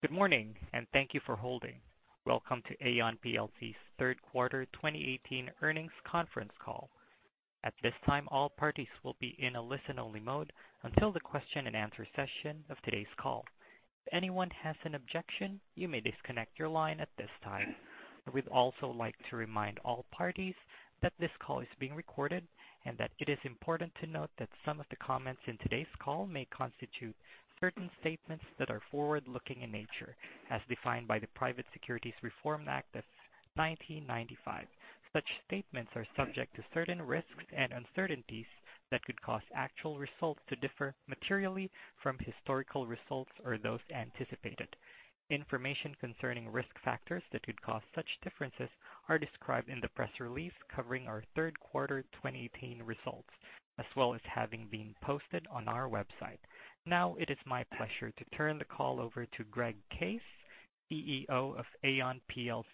Good morning, and thank you for holding. Welcome to Aon plc's third quarter 2018 earnings conference call. At this time, all parties will be in a listen-only mode until the question-and-answer session of today's call. If anyone has an objection, you may disconnect your line at this time. We'd also like to remind all parties that this call is being recorded and that it is important to note that some of the comments in today's call may constitute certain statements that are forward-looking in nature as defined by the Private Securities Litigation Reform Act of 1995. Such statements are subject to certain risks and uncertainties that could cause actual results to differ materially from historical results or those anticipated. Information concerning risk factors that could cause such differences are described in the press release covering our third quarter 2018 results, as well as having been posted on our website. Now it is my pleasure to turn the call over to Greg Case, CEO of Aon plc.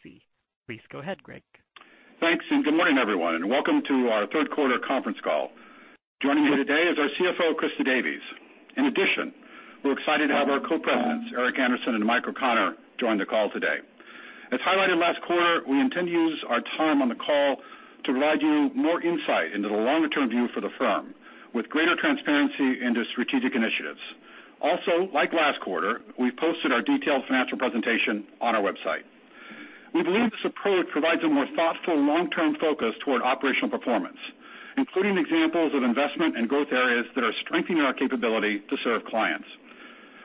Please go ahead, Greg. Thanks, and good morning, everyone, and welcome to our third quarter conference call. Joining me today is our CFO, Christa Davies. In addition, we're excited to have our co-presidents, Eric Andersen and Mike O'Connor, join the call today. As highlighted last quarter, we intend to use our time on the call to provide you more insight into the longer-term view for the firm with greater transparency into strategic initiatives. Also, like last quarter, we posted our detailed financial presentation on our website. We believe this approach provides a more thoughtful, long-term focus toward operational performance, including examples of investment and growth areas that are strengthening our capability to serve clients.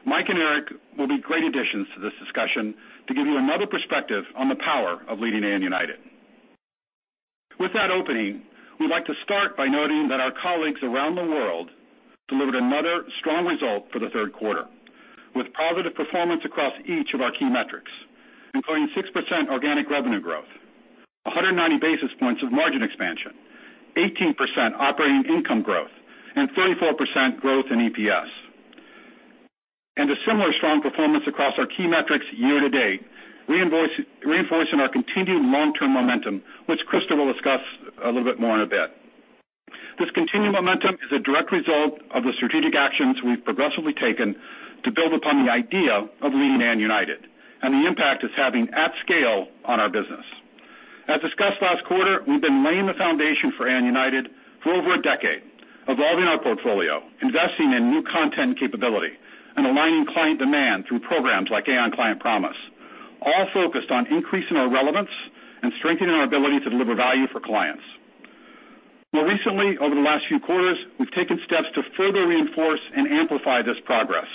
Mike and Eric will be great additions to this discussion to give you another perspective on the power of Leading Aon United. With that opening, we'd like to start by noting that our colleagues around the world delivered another strong result for the third quarter, with positive performance across each of our key metrics, including 6% organic revenue growth, 190 basis points of margin expansion, 18% operating income growth, and 34% growth in EPS. A similar strong performance across our key metrics year-to-date, reinforcing our continued long-term momentum, which Christa will discuss a little bit more in a bit. This continued momentum is a direct result of the strategic actions we've progressively taken to build upon the idea of Leading Aon United and the impact it's having at scale on our business. As discussed last quarter, we've been laying the foundation for Aon United for over a decade, evolving our portfolio, investing in new content capability, and aligning client demand through programs like Aon Client Promise, all focused on increasing our relevance and strengthening our ability to deliver value for clients. More recently, over the last few quarters, we've taken steps to further reinforce and amplify this progress.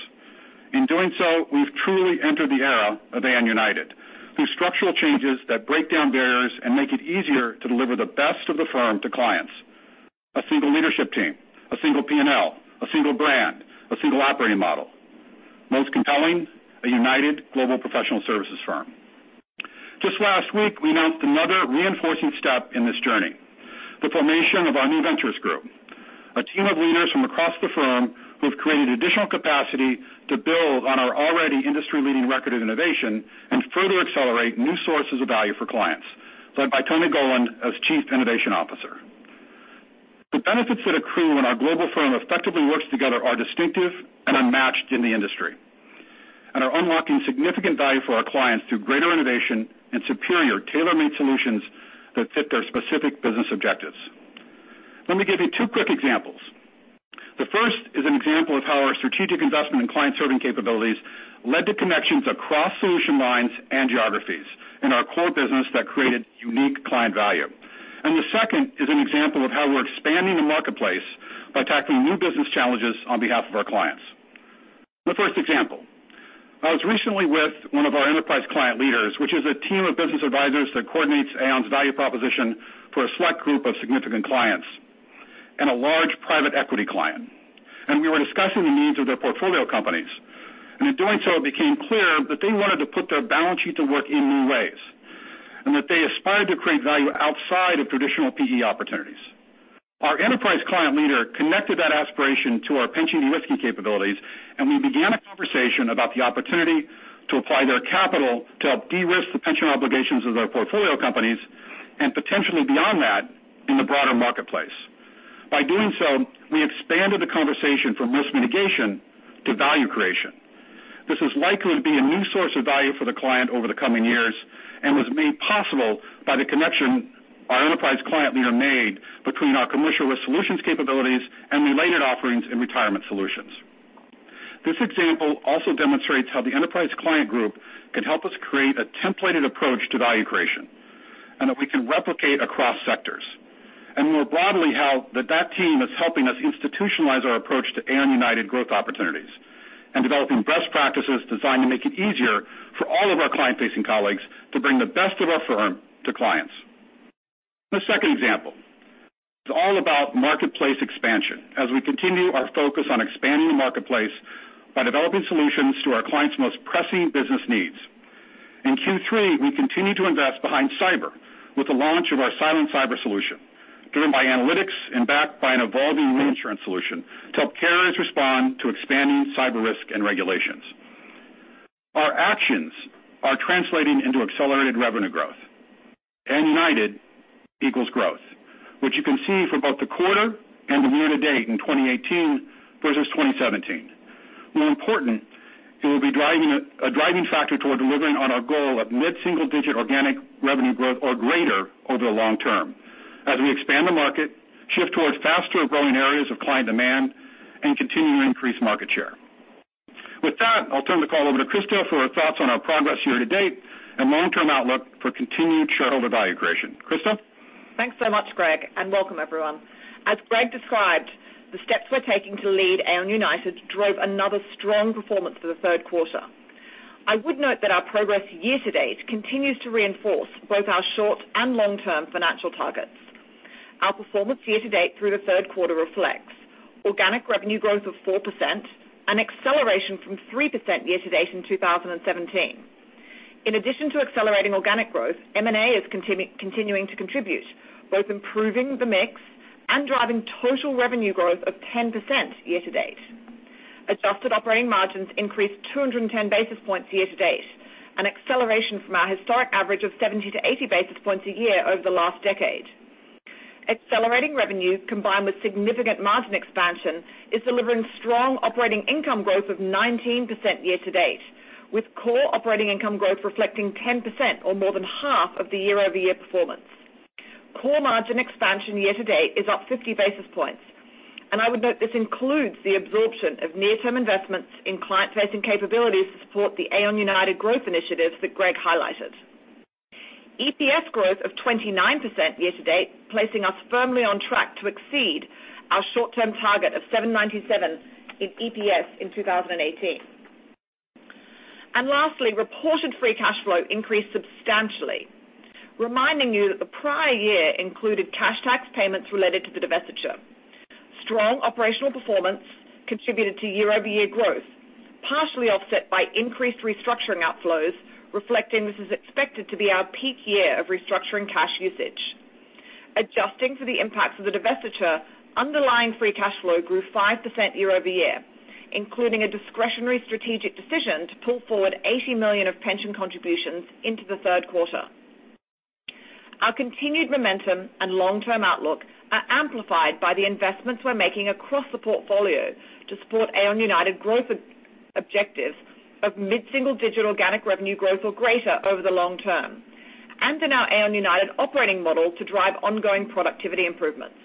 In doing so, we've truly entered the era of Aon United through structural changes that break down barriers and make it easier to deliver the best of the firm to clients. A single leadership team, a single P&L, a single brand, a single operating model. Most compelling, a united global professional services firm. Just last week, we announced another reinforcing step in this journey, the formation of our New Ventures Group, a team of leaders from across the firm who have created additional capacity to build on our already industry-leading record of innovation and further accelerate new sources of value for clients, led by Tony Goland as Chief Innovation Officer. The benefits that accrue when our global firm effectively works together are distinctive and unmatched in the industry and are unlocking significant value for our clients through greater innovation and superior tailor-made solutions that fit their specific business objectives. Let me give you two quick examples. The first is an example of how our strategic investment in client-serving capabilities led to connections across solution lines and geographies in our core business that created unique client value. The second is an example of how we're expanding the marketplace by tackling new business challenges on behalf of our clients. The first example. I was recently with one of our enterprise client leaders, which is a team of business advisors that coordinates Aon's value proposition for a select group of significant clients and a large private equity client. We were discussing the needs of their portfolio companies. In doing so, it became clear that they wanted to put their balance sheet to work in new ways, and that they aspired to create value outside of traditional PE opportunities. Our enterprise client leader connected that aspiration to our pension de-risking capabilities, and we began a conversation about the opportunity to apply their capital to help de-risk the pension obligations of their portfolio companies and potentially beyond that in the broader marketplace. By doing so, we expanded the conversation from risk mitigation to value creation. This is likely to be a new source of value for the client over the coming years and was made possible by the connection our enterprise client leader made between our Commercial Risk Solutions capabilities and related offerings in Retirement Solutions. This example also demonstrates how the Enterprise Client Group can help us create a templated approach to value creation and that we can replicate across sectors, and more broadly, how that team is helping us institutionalize our approach to Aon United growth opportunities and developing best practices designed to make it easier for all of our client-facing colleagues to bring the best of our firm to clients. The second example is all about marketplace expansion as we continue our focus on expanding the marketplace by developing solutions to our clients' most pressing business needs. In Q3, we continued to invest behind cyber with the launch of our silent cyber solution, driven by analytics and backed by an evolving reinsurance solution to help carriers respond to expanding cyber risk and regulations. Our actions are translating into accelerated revenue growth. Aon United equals growth, which you can see for both the quarter and the year to date in 2018 versus 2017. More important, it will be a driving factor toward delivering on our goal of mid-single-digit organic revenue growth or greater over the long term as we expand the market, shift towards faster growing areas of client demand, and continue to increase market share. With that, I'll turn the call over to Christa for her thoughts on our progress year to date and long-term outlook for continued shareholder value creation. Christa? Thanks so much, Greg, and welcome everyone. As Greg described, the steps we're taking to lead Aon United drove another strong performance for the third quarter. I would note that our progress year to date continues to reinforce both our short and long-term financial targets. Our performance year to date through the third quarter reflects organic revenue growth of 4%, an acceleration from 3% year to date in 2017. In addition to accelerating organic growth, M&A is continuing to contribute, both improving the mix and driving total revenue growth of 10% year to date. Adjusted operating margins increased 210 basis points year to date, an acceleration from our historic average of 70 to 80 basis points a year over the last decade. Accelerating revenue, combined with significant margin expansion, is delivering strong operating income growth of 19% year to date, with core operating income growth reflecting 10% or more than half of the year-over-year performance. Core margin expansion year to date is up 50 basis points, I would note this includes the absorption of near-term investments in client-facing capabilities to support the Aon United growth initiatives that Greg highlighted. EPS growth of 29% year to date, placing us firmly on track to exceed our short-term target of $797 in EPS in 2018. Lastly, reported free cash flow increased substantially, reminding you that the prior year included cash tax payments related to the divestiture. Strong operational performance contributed to year-over-year growth, partially offset by increased restructuring outflows, reflecting this is expected to be our peak year of restructuring cash usage. Adjusting for the impacts of the divestiture, underlying free cash flow grew 5% year-over-year, including a discretionary strategic decision to pull forward $80 million of pension contributions into the third quarter. Our continued momentum and long-term outlook are amplified by the investments we're making across the portfolio to support Aon United growth objectives of mid-single-digit organic revenue growth or greater over the long term, and in our Aon United operating model to drive ongoing productivity improvements.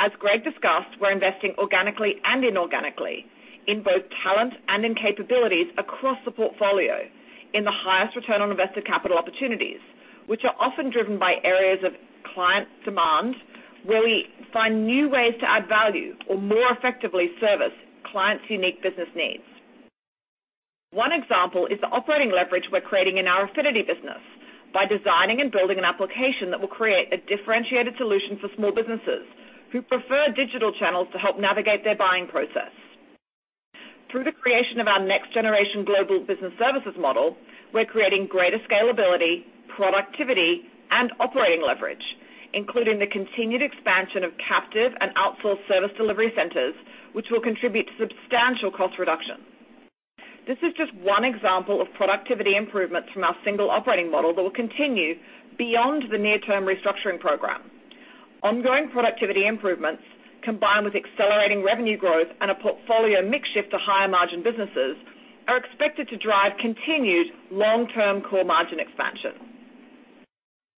As Greg discussed, we're investing organically and inorganically in both talent and in capabilities across the portfolio in the highest return on invested capital opportunities, which are often driven by areas of client demand where we find new ways to add value or more effectively service clients' unique business needs. One example is the operating leverage we're creating in our affinity business by designing and building an application that will create a differentiated solution for small businesses who prefer digital channels to help navigate their buying process. Through the creation of our next generation Global Business Services model, we're creating greater scalability, productivity, and operating leverage, including the continued expansion of captive and outsourced service delivery centers, which will contribute to substantial cost reductions. This is just one example of productivity improvements from our single operating model that will continue beyond the near-term restructuring program. Ongoing productivity improvements, combined with accelerating revenue growth and a portfolio mix shift to higher margin businesses, are expected to drive continued long-term core margin expansion.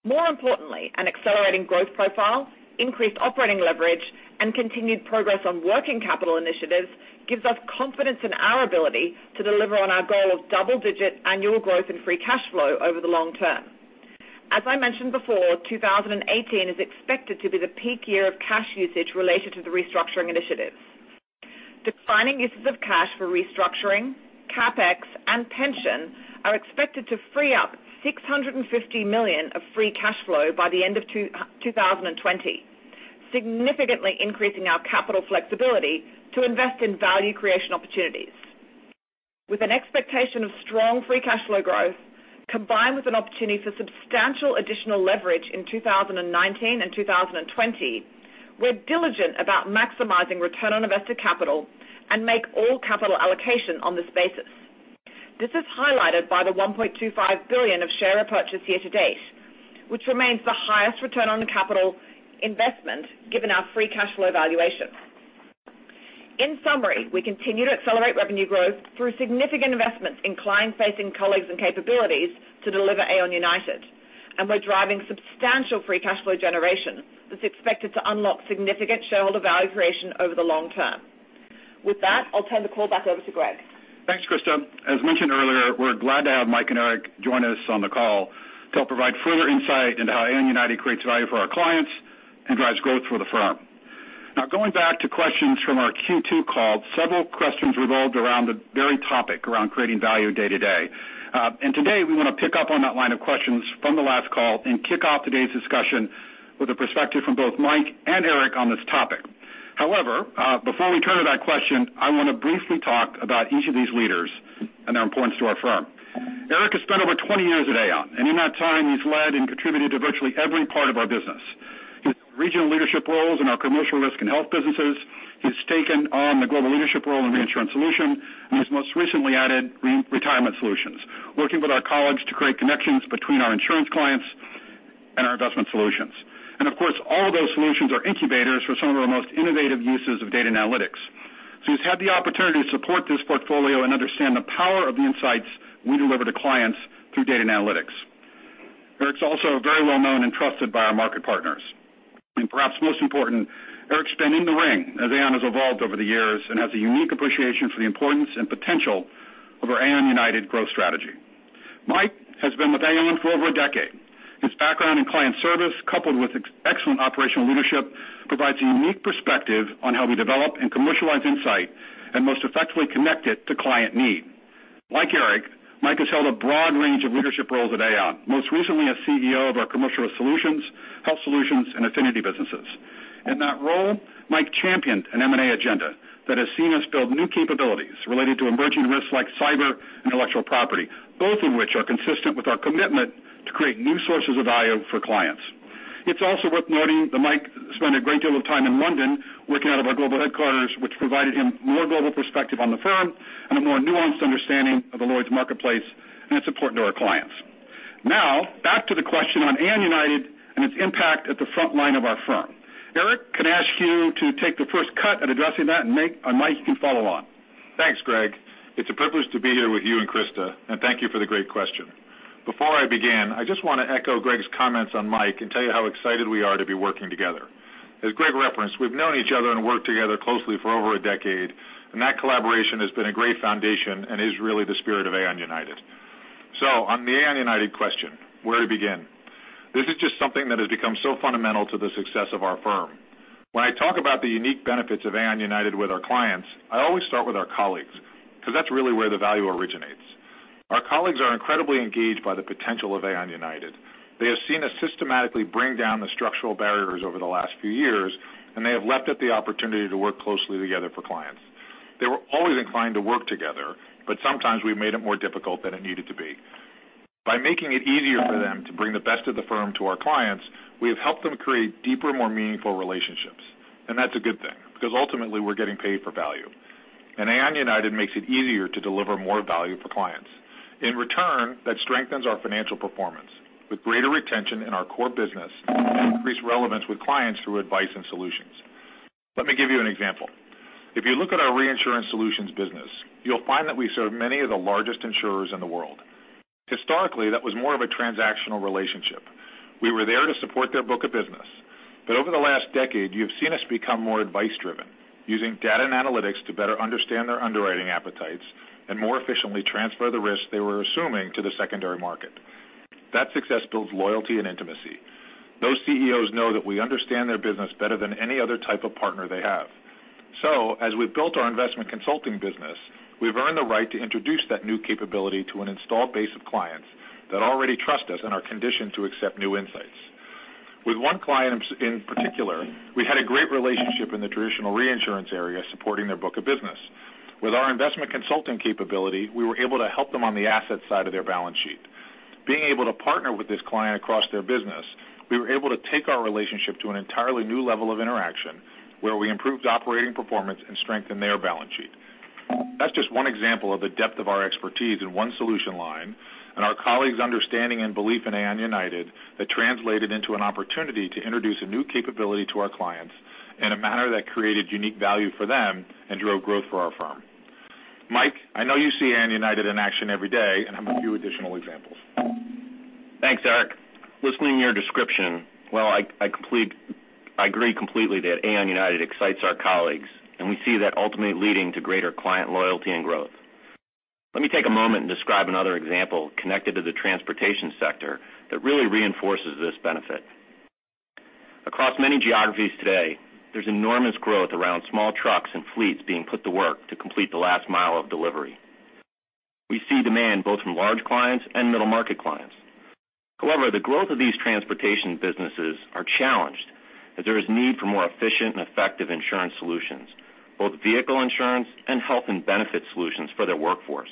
An accelerating growth profile, increased operating leverage, and continued progress on working capital initiatives gives us confidence in our ability to deliver on our goal of double-digit annual growth in free cash flow over the long term. As I mentioned before, 2018 is expected to be the peak year of cash usage related to the restructuring initiatives. Declining uses of cash for restructuring, CapEx, and pension are expected to free up $650 million of free cash flow by the end of 2020, significantly increasing our capital flexibility to invest in value creation opportunities. With an expectation of strong free cash flow growth combined with an opportunity for substantial additional leverage in 2019 and 2020, we're diligent about maximizing return on invested capital and make all capital allocation on this basis. This is highlighted by the $1.25 billion of share repurchase year to date, which remains the highest return on capital investment given our free cash flow evaluation. We continue to accelerate revenue growth through significant investments in client-facing colleagues and capabilities to deliver Aon United, and we're driving substantial free cash flow generation that's expected to unlock significant shareholder value creation over the long term. I'll turn the call back over to Greg. Thanks, Christa. As mentioned earlier, we're glad to have Mike and Eric join us on the call to help provide further insight into how Aon United creates value for our clients and drives growth for the firm. Going back to questions from our Q2 call, several questions revolved around the very topic around creating value day to day. Today, we want to pick up on that line of questions from the last call and kick off today's discussion with a perspective from both Mike and Eric on this topic. Before we turn to that question, I want to briefly talk about each of these leaders and their importance to our firm. Eric has spent over 20 years at Aon, and in that time, he's led and contributed to virtually every part of our business. He's had regional leadership roles in our Commercial Risk Solutions and Health Solutions businesses. He's taken on the global leadership role in Reinsurance Solutions, and he's most recently added Retirement Solutions, working with our colleagues to create connections between our insurance clients and our investment solutions. Of course, all of those solutions are incubators for some of our most innovative uses of data and analytics. He's had the opportunity to support this portfolio and understand the power of the insights we deliver to clients through data and analytics. Eric's also very well-known and trusted by our market partners. Perhaps most important, Eric's been in the ring as Aon has evolved over the years and has a unique appreciation for the importance and potential of our Aon United growth strategy. Mike has been with Aon for over a decade. His background in client service, coupled with excellent operational leadership, provides a unique perspective on how we develop and commercialize insight and most effectively connect it to client need. Like Eric, Mike has held a broad range of leadership roles at Aon, most recently as CEO of our Commercial Risk Solutions, Health Solutions, and affinity businesses. In that role, Mike championed an M&A agenda that has seen us build new capabilities related to emerging risks like cyber and intellectual property, both of which are consistent with our commitment to create new sources of value for clients. It's also worth noting that Mike spent a great deal of time in London working out of our global headquarters, which provided him more global perspective on the firm and a more nuanced understanding of the Lloyd's marketplace and its importance to our clients. Back to the question on Aon United and its impact at the front line of our firm. Eric, can I ask you to take the first cut at addressing that? Mike, you can follow on. Thanks, Greg. It's a privilege to be here with you and Christa, thank you for the great question. Before I begin, I just want to echo Greg's comments on Mike and tell you how excited we are to be working together. As Greg referenced, we've known each other and worked together closely for over a decade, that collaboration has been a great foundation and is really the spirit of Aon United. On the Aon United question, where to begin? This is just something that has become so fundamental to the success of our firm. When I talk about the unique benefits of Aon United with our clients, I always start with our colleagues because that's really where the value originates. Our colleagues are incredibly engaged by the potential of Aon United. They have seen us systematically bring down the structural barriers over the last few years, and they have leapt at the opportunity to work closely together for clients. They were always inclined to work together, but sometimes we made it more difficult than it needed to be. By making it easier for them to bring the best of the firm to our clients, we have helped them create deeper, more meaningful relationships. That's a good thing because ultimately we're getting paid for value. Aon United makes it easier to deliver more value for clients. In return, that strengthens our financial performance with greater retention in our core business and increased relevance with clients through advice and solutions. Let me give you an example. If you look at our Reinsurance Solutions business, you'll find that we serve many of the largest insurers in the world. Historically, that was more of a transactional relationship. We were there to support their book of business. Over the last decade, you've seen us become more advice driven, using data and analytics to better understand their underwriting appetites and more efficiently transfer the risk they were assuming to the secondary market. That success builds loyalty and intimacy. Those CEOs know that we understand their business better than any other type of partner they have. As we've built our investment consulting business, we've earned the right to introduce that new capability to an installed base of clients that already trust us and are conditioned to accept new insights. With one client in particular, we had a great relationship in the traditional reinsurance area supporting their book of business. With our investment consulting capability, we were able to help them on the asset side of their balance sheet. Being able to partner with this client across their business, we were able to take our relationship to an entirely new level of interaction where we improved operating performance and strengthened their balance sheet. That's just one example of the depth of our expertise in one solution line and our colleagues' understanding and belief in Aon United that translated into an opportunity to introduce a new capability to our clients in a manner that created unique value for them and drove growth for our firm. Mike, I know you see Aon United in action every day and have a few additional examples. Thanks, Eric. Listening to your description, well, I agree completely that Aon United excites our colleagues, and we see that ultimately leading to greater client loyalty and growth. Let me take a moment and describe another example connected to the transportation sector that really reinforces this benefit. Across many geographies today, there's enormous growth around small trucks and fleets being put to work to complete the last mile of delivery. We see demand both from large clients and middle market clients. However, the growth of these transportation businesses are challenged as there is need for more efficient and effective insurance solutions, both vehicle insurance and health and benefit solutions for their workforce.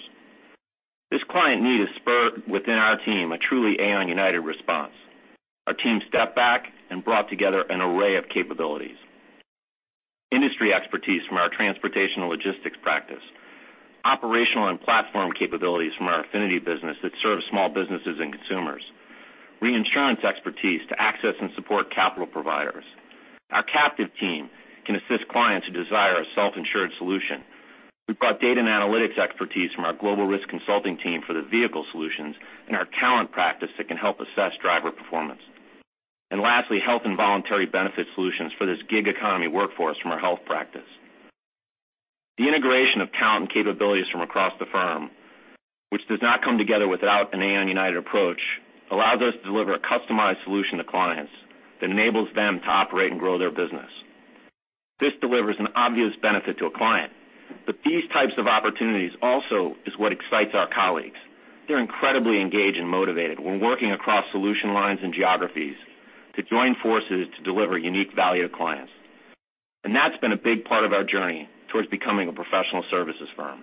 This client need has spurred within our team a truly Aon United response. Our team stepped back and brought together an array of capabilities. Industry expertise from our transportation logistics practice, operational and platform capabilities from our affinity business that serves small businesses and consumers, reinsurance expertise to access and support capital providers. Our captive team can assist clients who desire a self-insured solution. We brought data and analytics expertise from our global risk consulting team for the vehicle solutions and our talent practice that can help assess driver performance. Lastly, health and voluntary benefit solutions for this gig economy workforce from our health practice. The integration of talent and capabilities from across the firm, which does not come together without an Aon United approach, allows us to deliver a customized solution to clients that enables them to operate and grow their business. This delivers an obvious benefit to a client, but these types of opportunities also is what excites our colleagues. They're incredibly engaged and motivated when working across solution lines and geographies to join forces to deliver unique value to clients. That's been a big part of our journey towards becoming a professional services firm.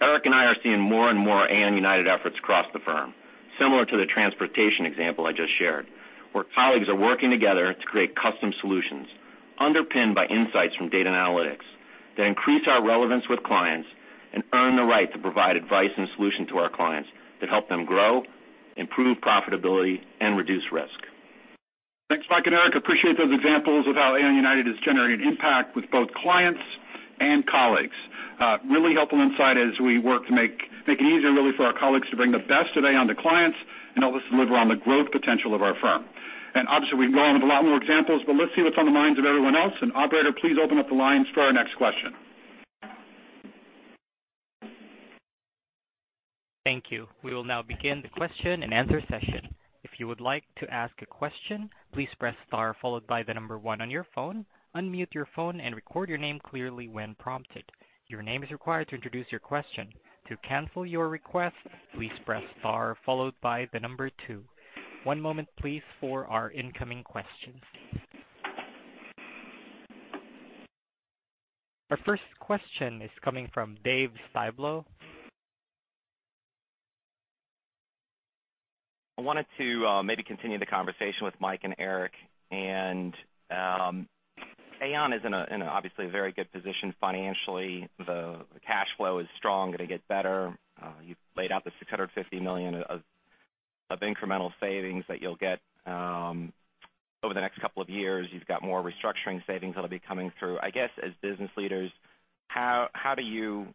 Eric and I are seeing more and more Aon United efforts across the firm, similar to the transportation example I just shared, where colleagues are working together to create custom solutions underpinned by insights from data and analytics that increase our relevance with clients and earn the right to provide advice and solution to our clients that help them grow, improve profitability, and reduce risk. Thanks, Mike and Eric. Appreciate those examples of how Aon United has generated impact with both clients and colleagues. Really helpful insight as we work to make it easier really for our colleagues to bring the best of Aon to clients and help us deliver on the growth potential of our firm. Obviously, we can go on with a lot more examples, but let's see what's on the minds of everyone else. Operator, please open up the lines for our next question. Thank you. We will now begin the question and answer session. If you would like to ask a question, please press star followed by the number one on your phone, unmute your phone, and record your name clearly when prompted. Your name is required to introduce your question. To cancel your request, please press star followed by the number two. One moment please for our incoming questions. Our first question is coming from Dave Styblo. I wanted to maybe continue the conversation with Mike and Eric. Aon is in a, obviously, very good position financially. The cash flow is strong, going to get better. You've laid out the $650 million of incremental savings that you'll get over the next couple of years. You've got more restructuring savings that'll be coming through. I guess, as business leaders, how do you,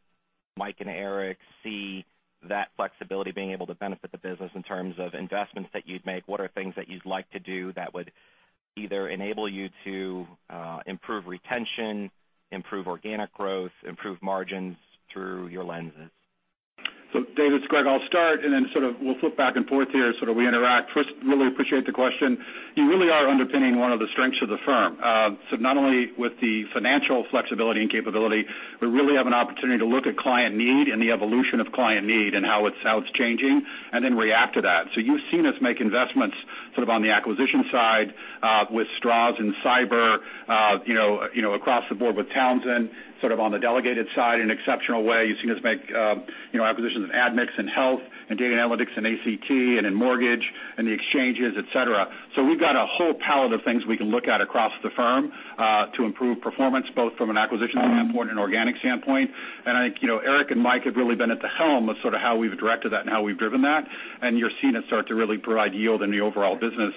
Mike and Eric, see that flexibility being able to benefit the business in terms of investments that you'd make? What are things that you'd like to do that would either enable you to improve retention, improve organic growth, improve margins through your lenses? Dave, it's Greg. I'll start, and then we'll flip back and forth here as sort of we interact. First, really appreciate the question. You really are underpinning one of the strengths of the firm. Not only with the financial flexibility and capability, we really have an opportunity to look at client need and the evolution of client need and how it's changing, and then react to that. You've seen us make investments on the acquisition side with Stroz in cyber, across the board with Townsend on the delegated side in exceptional way. You've seen us make acquisitions in Admix, in health, in data analytics, in ACT, and in mortgage, and the exchanges, et cetera. We've got a whole palette of things we can look at across the firm, to improve performance, both from an acquisition standpoint and organic standpoint. I think Eric and Mike have really been at the helm of how we've directed that and how we've driven that, and you're seeing it start to really provide yield in the overall business.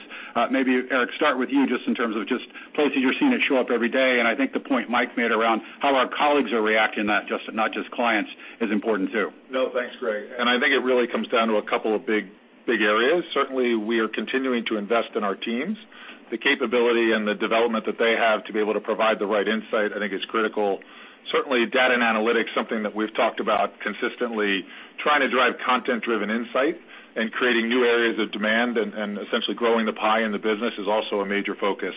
Maybe Eric, start with you just in terms of just places you're seeing it show up every day. I think the point Mike made around how our colleagues are reacting to that, not just clients, is important too. No, thanks, Greg. I think it really comes down to a couple of big areas. Certainly, we are continuing to invest in our teams. The capability and the development that they have to be able to provide the right insight, I think is critical. Certainly, data and analytics, something that we've talked about consistently, trying to drive content-driven insight and creating new areas of demand and essentially growing the pie in the business is also a major focus.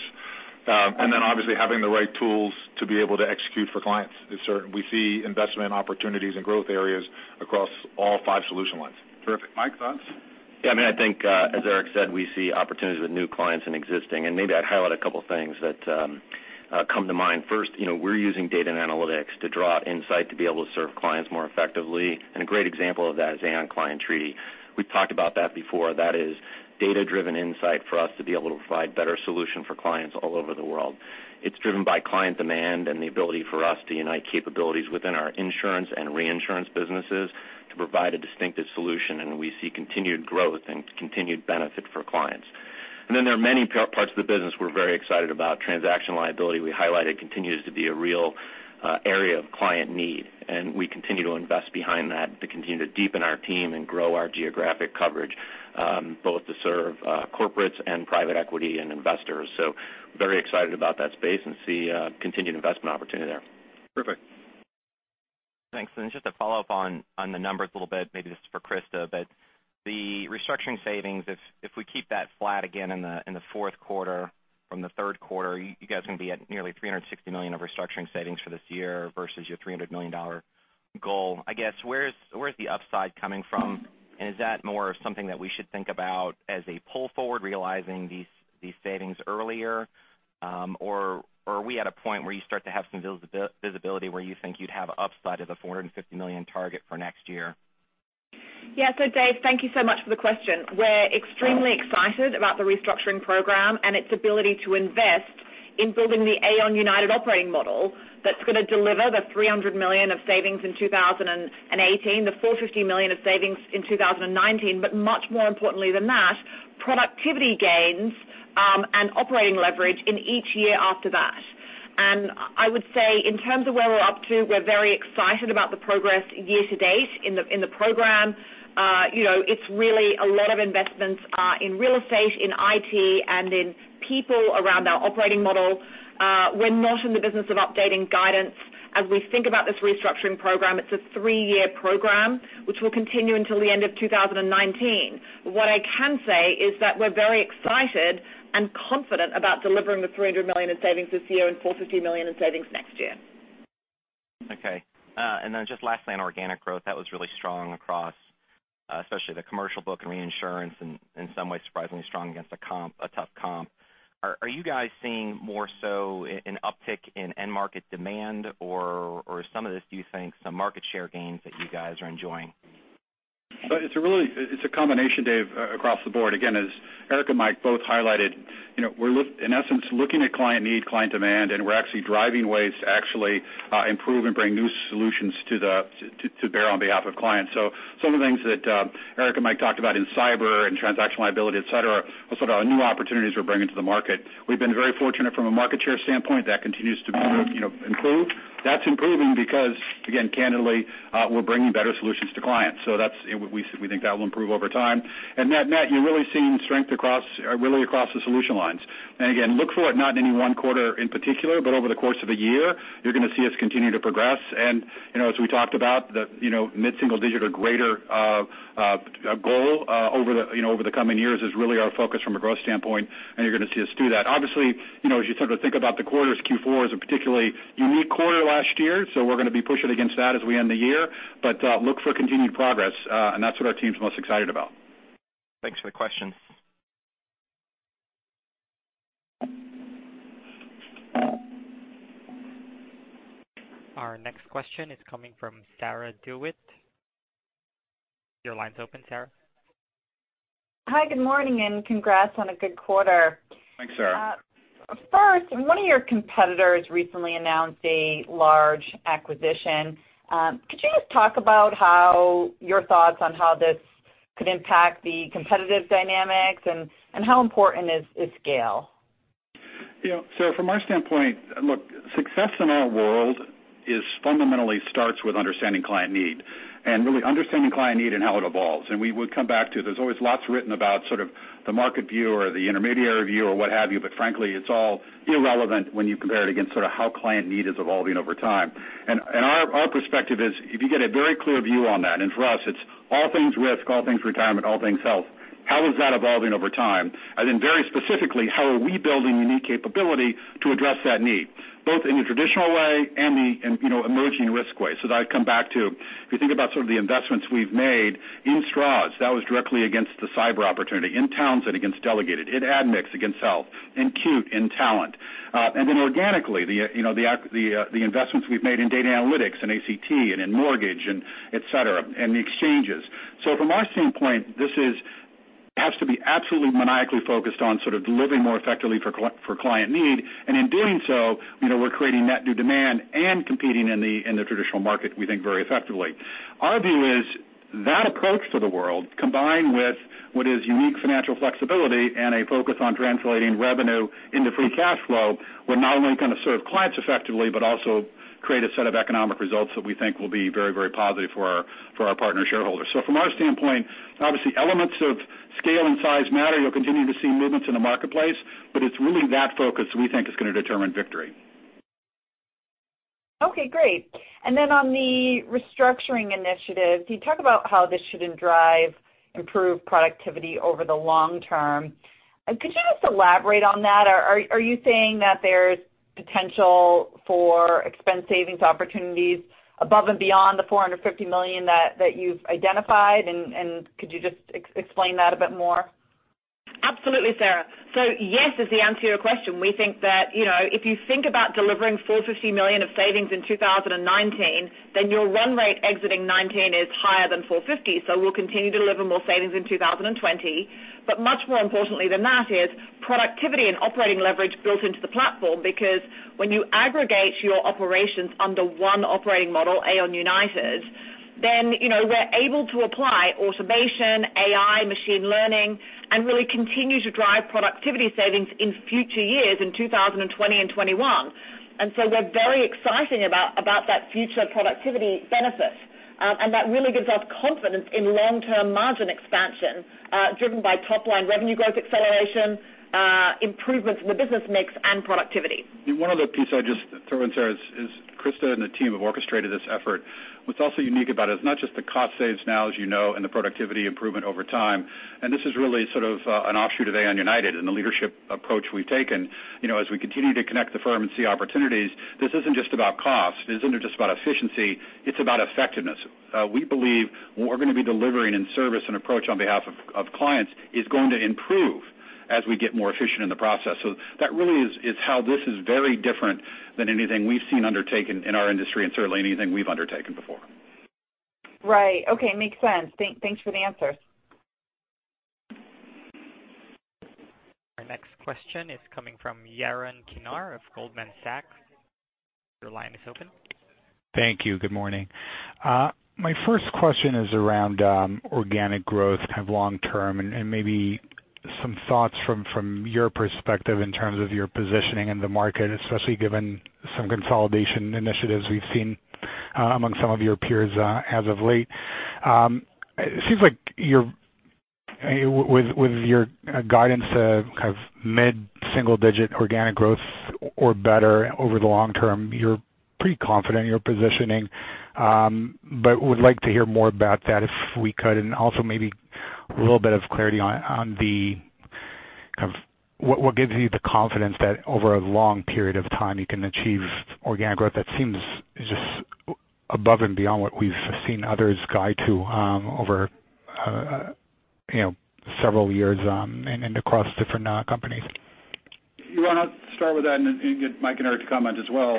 Obviously, having the right tools to be able to execute for clients is certain. We see investment opportunities and growth areas across all five solution lines. Terrific. Mike, thoughts? Yeah. I think, as Eric said, we see opportunities with new clients and existing. Maybe I'd highlight a couple of things that come to mind. First, we're using data and analytics to draw insight to be able to serve clients more effectively. A great example of that is Aon Client Treaty. We've talked about that before. That is data-driven insight for us to be able to provide better solution for clients all over the world. It's driven by client demand and the ability for us to unite capabilities within our insurance and reinsurance businesses to provide a distinctive solution, and we see continued growth and continued benefit for clients. Then there are many parts of the business we're very excited about. Transaction Liability we highlighted continues to be a real area of client need, and we continue to invest behind that to continue to deepen our team and grow our geographic coverage, both to serve corporates and private equity and investors. Very excited about that space and see continued investment opportunity there. Perfect. Thanks. Just to follow up on the numbers a little bit, maybe this is for Christa, the restructuring savings, if we keep that flat again in the fourth quarter from the third quarter, you guys are going to be at nearly $360 million of restructuring savings for this year versus your $300 million goal. I guess, where is the upside coming from? Is that more of something that we should think about as a pull forward realizing these savings earlier? Are we at a point where you start to have some visibility where you think you'd have upside of the $450 million target for next year? Yeah. Dave, thank you so much for the question. We're extremely excited about the restructuring program and its ability to invest in building the Aon United operating model that's going to deliver the $300 million of savings in 2018, the $450 million of savings in 2019, much more importantly than that, productivity gains, and operating leverage in each year after that. I would say in terms of where we're up to, we're very excited about the progress year to date in the program. It's really a lot of investments in real estate, in IT, and in people around our operating model. We're not in the business of updating guidance. We think about this restructuring program, it's a three-year program, which will continue until the end of 2019. What I can say is that we're very excited and confident about delivering the $300 million in savings this year and $450 million in savings next year. Okay. Just lastly on organic growth, that was really strong across- Especially the Commercial book and Reinsurance, and in some ways surprisingly strong against a tough comp. Are you guys seeing more so an uptick in end market demand? Or some of this, do you think some market share gains that you guys are enjoying? It's a combination, Dave, across the board. Again, as Eric and Mike both highlighted, we're in essence looking at client need, client demand, and we're actually driving ways to actually improve and bring new solutions to bear on behalf of clients. Some of the things that Eric and Mike talked about in cyber and Transaction Liability, et cetera, are sort of new opportunities we're bringing to the market. We've been very fortunate from a market share standpoint. That continues to improve, that's improving because, again, candidly, we're bringing better solutions to clients. We think that will improve over time. Net new, you're really seeing strength across the solution lines. Again, look for it not in any one quarter in particular, but over the course of a year, you're going to see us continue to progress. As we talked about, the mid-single digit or greater goal over the coming years is really our focus from a growth standpoint, and you're going to see us do that. As you sort of think about the quarters, Q4 is a particularly unique quarter last year. We're going to be pushing against that as we end the year. Look for continued progress and that's what our team's most excited about. Thanks for the question. Our next question is coming from Sarah DeWitt. Your line's open, Sarah. Hi, good morning. Congrats on a good quarter. Thanks, Sarah. First, one of your competitors recently announced a large acquisition. Could you just talk about your thoughts on how this could impact the competitive dynamics, how important is scale? Yeah. Sarah, from our standpoint, look, success in our world fundamentally starts with understanding client need, and really understanding client need and how it evolves. We would come back to it. There's always lots written about sort of the market view or the intermediary view or what have you, but frankly, it's all irrelevant when you compare it against how client need is evolving over time. Our perspective is, if you get a very clear view on that, and for us, it's all things risk, all things retirement, all things health. How is that evolving over time? Then very specifically, how are we building unique capability to address that need, both in the traditional way and the emerging risk way? That I'd come back to if you think about sort of the investments we've made in Stroz, that was directly against the cyber opportunity. In Townsend, against delegated. In Admix, against health. In cut-e, in talent. Then organically, the investments we've made in data analytics and ACT and in mortgage and et cetera, and the exchanges. From our standpoint, this has to be absolutely maniacally focused on sort of delivering more effectively for client need. In doing so, we're creating net new demand and competing in the traditional market, we think very effectively. Our view is that approach to the world, combined with what is unique financial flexibility and a focus on translating revenue into free cash flow, will not only kind of serve clients effectively, but also create a set of economic results that we think will be very positive for our partner shareholders. From our standpoint, obviously elements of scale and size matter. You'll continue to see movements in the marketplace, it's really that focus we think is going to determine victory. Okay, great. Then on the restructuring initiative, can you talk about how this should drive improved productivity over the long term? Could you just elaborate on that? Are you saying that there's potential for expense savings opportunities above and beyond the $450 million that you've identified? Could you just explain that a bit more? Absolutely, Sarah. Yes, is the answer to your question. We think that if you think about delivering $450 million of savings in 2019, your run rate exiting 2019 is higher than $450. We'll continue to deliver more savings in 2020. Much more importantly than that is productivity and operating leverage built into the platform because when you aggregate your operations under one operating model, Aon United, we're able to apply automation, AI, machine learning, and really continue to drive productivity savings in future years, in 2020 and 2021. We're very excited about that future productivity benefit. That really gives us confidence in long-term margin expansion, driven by top-line revenue growth acceleration, improvements in the business mix, and productivity. One other piece I'd just throw in, Sarah, is Christa and the team have orchestrated this effort. What's also unique about it's not just the cost saves now, as you know, and the productivity improvement over time. This is really sort of an offshoot of Aon United and the leadership approach we've taken. As we continue to connect the firm and see opportunities, this isn't just about cost, this isn't just about efficiency, it's about effectiveness. We believe what we're going to be delivering in service and approach on behalf of clients is going to improve as we get more efficient in the process. That really is how this is very different than anything we've seen undertaken in our industry and certainly anything we've undertaken before. Right. Okay. Makes sense. Thanks for the answers. Our next question is coming from Yaron Kinar of Goldman Sachs. Your line is open. Thank you. Good morning. My first question is around organic growth kind of long term and maybe some thoughts from your perspective in terms of your positioning in the market, especially given some consolidation initiatives we've seen among some of your peers as of late. It seems like with your guidance of kind of mid-single digit organic growth or better over the long term, you're pretty confident in your positioning. Would like to hear more about that if we could, and also maybe a little bit of clarity. What gives you the confidence that over a long period of time you can achieve organic growth that seems just above and beyond what we've seen others guide to over several years and across different companies? You want to start with that and get Mike and Eric to comment as well.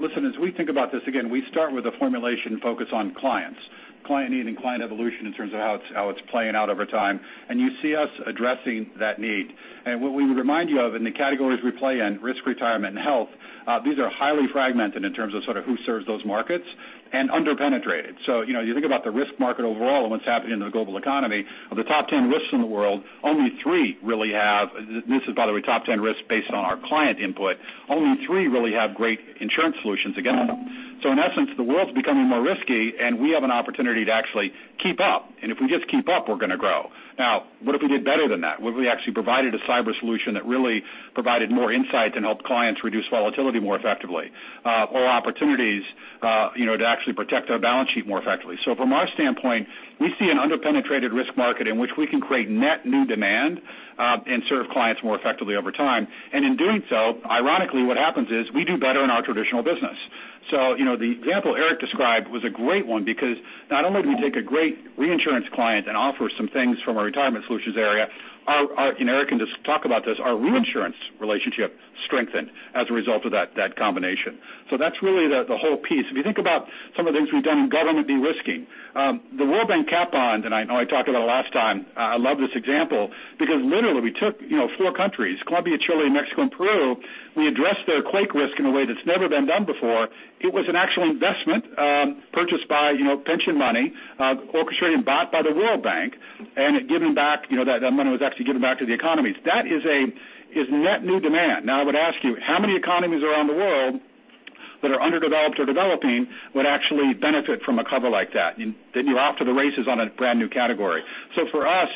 Listen, as we think about this, again, we start with a formulation focus on clients, client need and client evolution in terms of how it's playing out over time. You see us addressing that need. What we remind you of in the categories we play in, risk, retirement, and health, these are highly fragmented in terms of who serves those markets, and under-penetrated. You think about the risk market overall and what's happening in the global economy. Of the top 10 risks in the world, only three really have, this is by the way, top 10 risks based on our client input, only three really have great insurance solutions against them. In essence, the world's becoming more risky and we have an opportunity to actually keep up. If we just keep up, we're going to grow. What if we did better than that? What if we actually provided a cyber solution that really provided more insight and helped clients reduce volatility more effectively? Opportunities to actually protect our balance sheet more effectively. From our standpoint, we see an under-penetrated risk market in which we can create net new demand, and serve clients more effectively over time. In doing so, ironically, what happens is, we do better in our traditional business. The example Eric described was a great one because not only do we take a great reinsurance client and offer some things from our Retirement Solutions area, and Eric can just talk about this, our reinsurance relationship strengthened as a result of that combination. That's really the whole piece. If you think about some of the things we've done in government de-risking. The World Bank cat bond, and I know I talked about it last time. I love this example because literally we took 4 countries, Colombia, Chile, Mexico, and Peru. We addressed their quake risk in a way that's never been done before. It was an actual investment, purchased by pension money, orchestrated and bought by the World Bank, and that money was actually given back to the economies. That is net new demand. I would ask you, how many economies around the world that are underdeveloped or developing would actually benefit from a cover like that? You're off to the races on a brand new category. For us,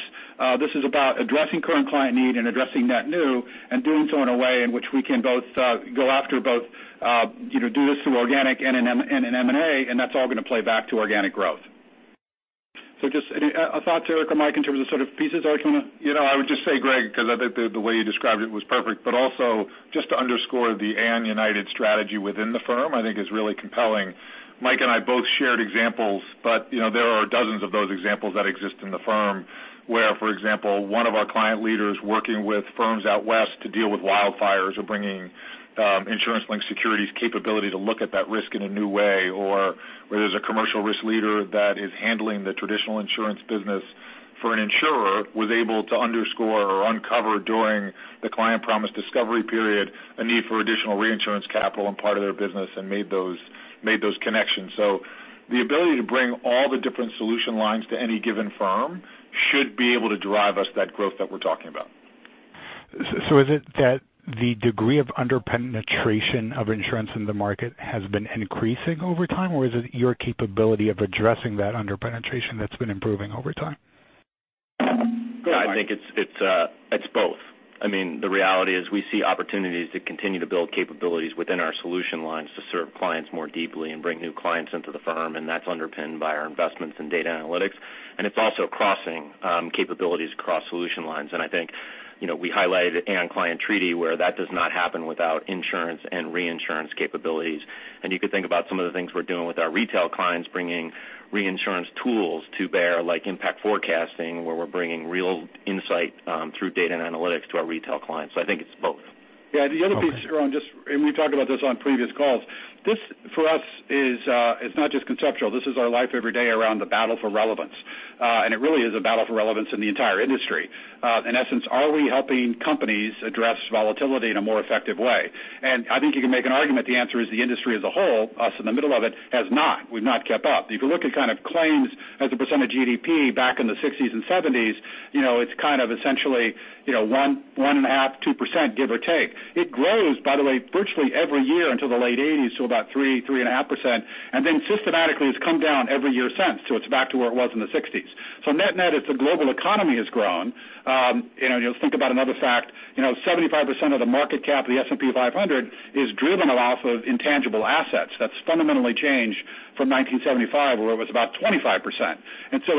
this is about addressing current client need and addressing net new, and doing so in a way in which we can go after both, do this through organic and in M&A, and that's all going to play back to organic growth. Just a thought, Eric or Mike, in terms of pieces I just want to- I would just say, Greg, because I think the way you described it was perfect, but also just to underscore the Aon United strategy within the firm, I think is really compelling. Mike and I both shared examples, but there are dozens of those examples that exist in the firm where, for example, one of our client leaders working with firms out west to deal with wildfires or bringing insurance-linked securities capability to look at that risk in a new way, or where there's a commercial risk leader that is handling the traditional insurance business for an insurer, was able to underscore or uncover during the Aon Client Promise discovery period a need for additional reinsurance capital in part of their business and made those connections. The ability to bring all the different solution lines to any given firm should be able to drive us that growth that we're talking about. Is it that the degree of under-penetration of insurance in the market has been increasing over time, or is it your capability of addressing that under-penetration that's been improving over time? Go ahead, Mike. I think it's both. The reality is we see opportunities to continue to build capabilities within our solution lines to serve clients more deeply and bring new clients into the firm, and that's underpinned by our investments in data analytics. It's also crossing capabilities across solution lines. I think I highlighted Aon Client Treaty where that does not happen without insurance and reinsurance capabilities. You could think about some of the things we're doing with our retail clients, bringing reinsurance tools to bear like Impact Forecasting, where we're bringing real insight through data and analytics to our retail clients. I think it's both. The other piece, Yaron, we've talked about this on previous calls. This for us is not just conceptual. This is our life every day around the battle for relevance. It really is a battle for relevance in the entire industry. In essence, are we helping companies address volatility in a more effective way? I think you can make an argument the answer is the industry as a whole, us in the middle of it, has not. We've not kept up. If you look at claims as a % of GDP back in the '60s and '70s, it's essentially 1.5%-2%, give or take. It grows, by the way, virtually every year until the late '80s to about 3%-3.5%, and then systematically has come down every year since. It's back to where it was in the '60s. Net net it's the global economy has grown. You'll think about another fact. 75% of the market cap of the S&P 500 is driven off of intangible assets. That's fundamentally changed from 1975 where it was about 25%.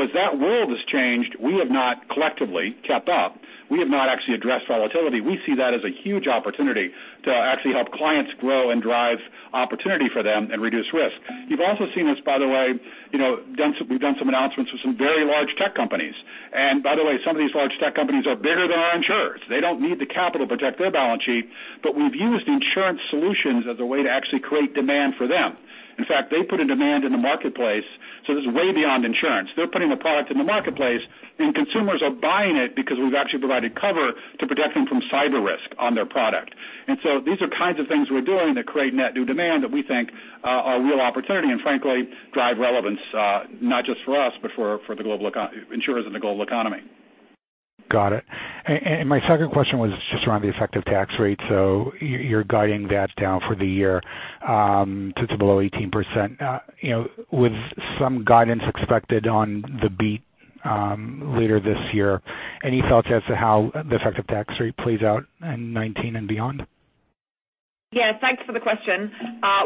As that world has changed, we have not collectively kept up. We have not actually addressed volatility. We see that as a huge opportunity to actually help clients grow and drive opportunity for them and reduce risk. You've also seen us, by the way, we've done some announcements with some very large tech companies. By the way, some of these large tech companies are bigger than our insurers. They don't need the capital to protect their balance sheet. We've used insurance solutions as a way to actually create demand for them. In fact, they put a demand in the marketplace, so this is way beyond insurance. They're putting a product in the marketplace and consumers are buying it because we've actually provided cover to protect them from cyber risk on their product. These are kinds of things we're doing that create net new demand that we think are a real opportunity and frankly drive relevance, not just for us, but for insurers in the global economy. Got it. My second question was just around the effective tax rate. You're guiding that down for the year to below 18%. With some guidance expected on the beat later this year, any thoughts as to how the effective tax rate plays out in 2019 and beyond? Yeah, thanks for the question.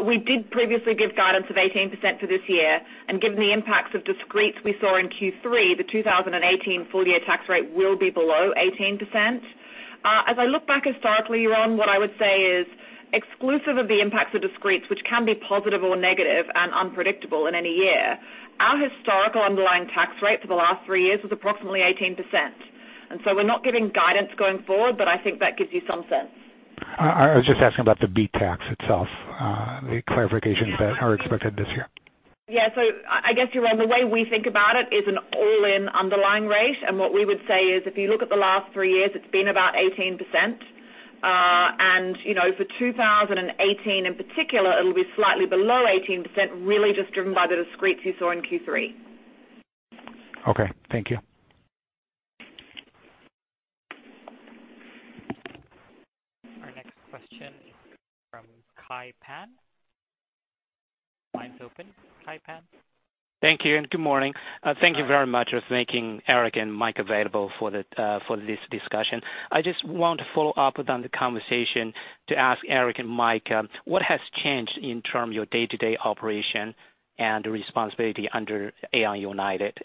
We did previously give guidance of 18% for this year, and given the impacts of discretes we saw in Q3, the 2018 full-year tax rate will be below 18%. As I look back historically, Yaron, what I would say is exclusive of the impacts of discretes, which can be positive or negative and unpredictable in any year, our historical underlying tax rate for the last three years was approximately 18%. We're not giving guidance going forward, but I think that gives you some sense. I was just asking about the BEAT tax itself, the clarifications that are expected this year. Yeah. I guess, Yaron, the way we think about it is an all-in underlying rate, and what we would say is if you look at the last three years, it's been about 18%. For 2018 in particular, it'll be slightly below 18%, really just driven by the discretes you saw in Q3. Okay. Thank you. Our next question is from Kai Pan. Line's open, Kai Pan. Thank you and good morning. Thank you very much for making Eric and Mike available for this discussion. I just want to follow up on the conversation to ask Eric and Mike, what has changed in terms of your day-to-day operation and responsibility under Aon United?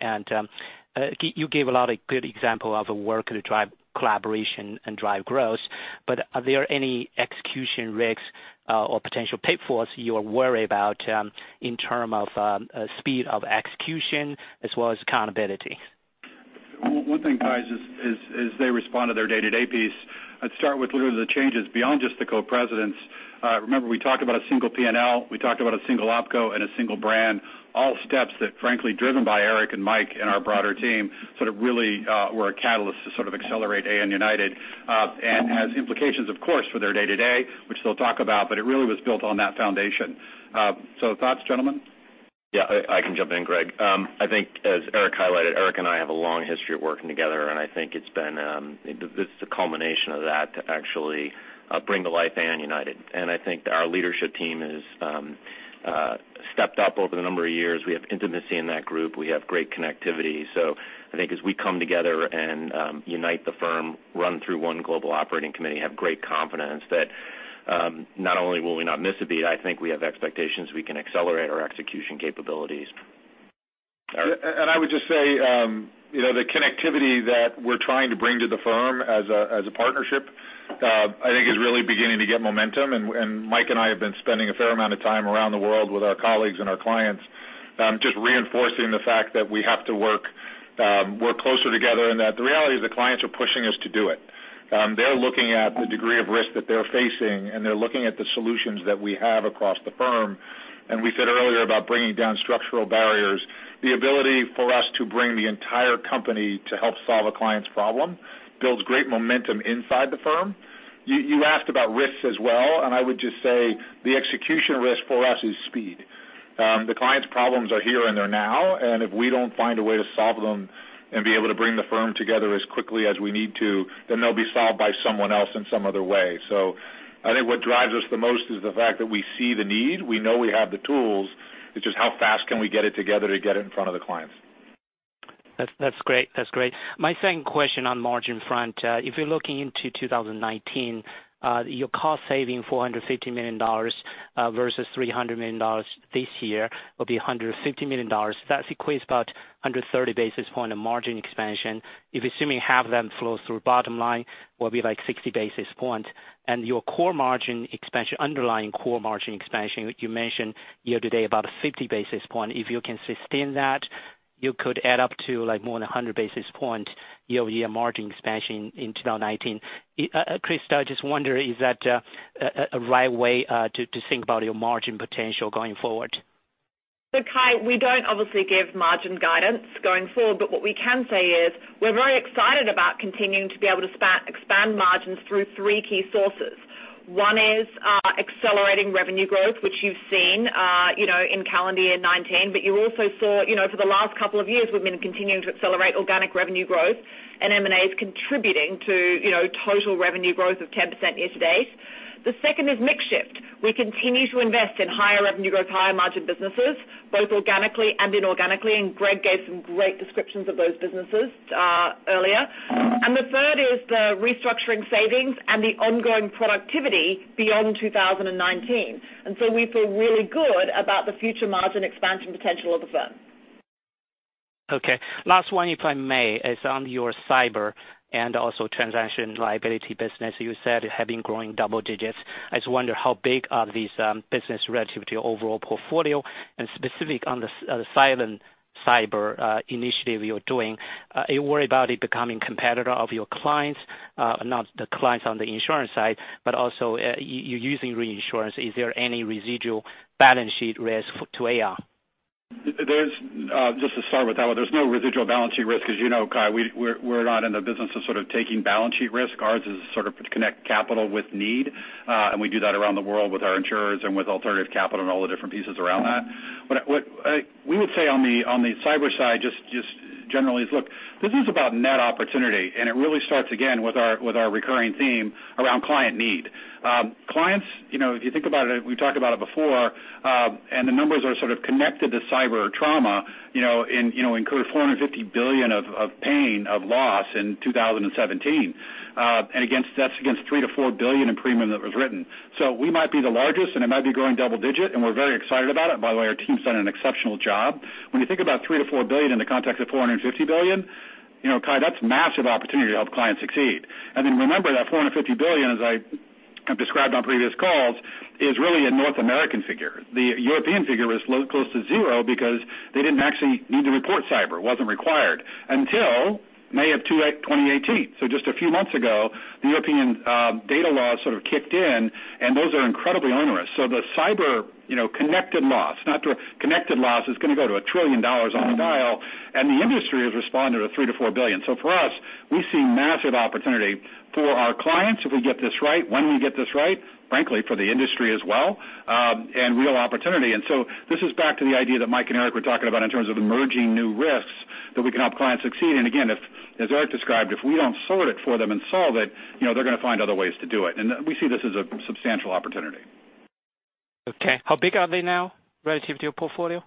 You gave a lot of good example of work to drive collaboration and drive growth, but are there any execution risks or potential pitfalls you are worried about in terms of speed of execution as well as accountability? One thing, Kai, as they respond to their day-to-day piece, I'd start with looking at the changes beyond just the co-presidents. Remember, we talked about a single P&L, we talked about a single OpCo and a single brand, all steps that frankly driven by Eric and Mike and our broader team, really were a catalyst to accelerate Aon United. It has implications, of course, for their day-to-day, which they'll talk about, but it really was built on that foundation. Thoughts, gentlemen? I can jump in, Greg. I think as Eric highlighted, Eric and I have a long history of working together, and I think this is a culmination of that to actually bring to life Aon United. I think that our leadership team has stepped up over the number of years. We have intimacy in that group. We have great connectivity. I think as we come together and unite the firm, run through one global operating committee, have great confidence that not only will we not miss a beat, I think we have expectations we can accelerate our execution capabilities. Eric. I would just say the connectivity that we're trying to bring to the firm as a partnership, I think is really beginning to get momentum. Mike and I have been spending a fair amount of time around the world with our colleagues and our clients, just reinforcing the fact that we have to work closer together and that the reality is the clients are pushing us to do it. They're looking at the degree of risk that they're facing, and they're looking at the solutions that we have across the firm. We said earlier about bringing down structural barriers. The ability for us to bring the entire company to help solve a client's problem builds great momentum inside the firm. You asked about risks as well, I would just say the execution risk for us is speed. The client's problems are here and they're now, if we don't find a way to solve them and be able to bring the firm together as quickly as we need to, then they'll be solved by someone else in some other way. I think what drives us the most is the fact that we see the need. We know we have the tools. It's just how fast can we get it together to get it in front of the clients. That's great. My second question on margin front. If you're looking into 2019, your cost saving $450 million versus $300 million this year will be $150 million. That equates about 130 basis points of margin expansion. If assuming half of them flows through bottom line, will be like 60 basis points. Your underlying core margin expansion, you mentioned year-to-date about 50 basis points. If you can sustain that, you could add up to more than 100 basis points year-over-year margin expansion in 2019. Christa, I just wonder, is that a right way to think about your margin potential going forward? Kai, we don't obviously give margin guidance going forward, but what we can say is we're very excited about continuing to be able to expand margins through three key sources. One is accelerating revenue growth, which you've seen in calendar year 2019. You also saw for the last couple of years, we've been continuing to accelerate organic revenue growth and M&A is contributing to total revenue growth of 10% year-to-date. The second is mix shift. We continue to invest in higher revenue growth, higher margin businesses, both organically and inorganically, Greg gave some great descriptions of those businesses earlier. The third is the restructuring savings and the ongoing productivity beyond 2019. We feel really good about the future margin expansion potential of the firm. Okay. Last one, if I may, is on your cyber and also Transaction Liability business. You said having growing double digits. I just wonder how big are these business relative to your overall portfolio and specific on the silent cyber initiative you're doing. Are you worried about it becoming competitor of your clients? Not the clients on the insurance side, but also you're using reinsurance. Is there any residual balance sheet risk to Aon? Just to start with that one, there's no residual balance sheet risk. As you know, Kai, we're not in the business of sort of taking balance sheet risk. Ours is sort of to connect capital with need. We do that around the world with our insurers and with alternative capital and all the different pieces around that. What we would say on the cyber side, just generally is, look, this is about net opportunity, and it really starts again with our recurring theme around client need. Clients, if you think about it, we've talked about it before. The numbers are sort of connected to cyber trauma, incurred $450 billion of pain, of loss in 2017. That's against $3 billion to $4 billion in premium that was written. We might be the largest, and it might be growing double digit, and we're very excited about it. By the way, our team's done an exceptional job. When you think about $3 billion to $4 billion in the context of $450 billion, Kai, that's massive opportunity to help clients succeed. Remember that $450 billion, as I described on previous calls, is really a North American figure. The European figure is close to zero because they didn't actually need to report cyber. It wasn't required until May of 2018. Just a few months ago, the European data laws sort of kicked in, and those are incredibly onerous. The cyber connected loss is going to go to $1 trillion on the dial, and the industry has responded at $3 billion to $4 billion. For us, we see massive opportunity for our clients if we get this right, when we get this right, frankly, for the industry as well, and real opportunity. This is back to the idea that Mike and Eric were talking about in terms of emerging new risks that we can help clients succeed. Again, as Eric described, if we don't sort it for them and solve it, they're going to find other ways to do it. We see this as a substantial opportunity. Okay. How big are they now relative to your portfolio?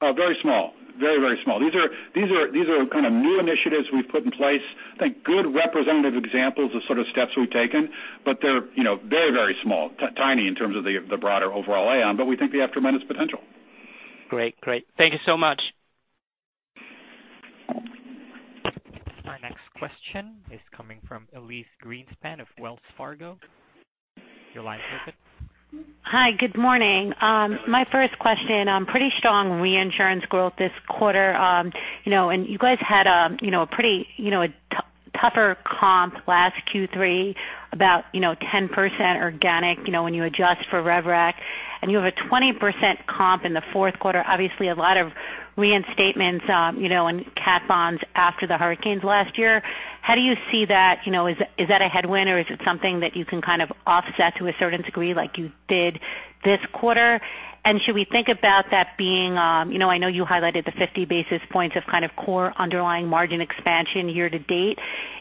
Very small. Very small. These are kind of new initiatives we've put in place. I think good representative examples of sort of steps we've taken, but they're very small. Tiny in terms of the broader overall Aon, but we think they have tremendous potential. Great. Thank you so much. Our next question is coming from Elyse Greenspan of Wells Fargo. Your line is open. Hi. Good morning. My first question, pretty strong reinsurance growth this quarter. You guys had a pretty tougher comp last Q3 about 10% organic, when you adjust for Rev Rec, you have a 20% comp in the fourth quarter, obviously a lot of reinstatements, and cat bonds after the hurricanes last year. How do you see that? Is that a headwind or is it something that you can kind of offset to a certain degree like you did this quarter? Should we think about that being-- I know you highlighted the 50 basis points of kind of core underlying margin expansion year-to-date.